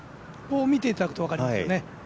見ていただくと分かりますよね。